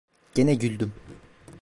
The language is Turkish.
Gene güldüm.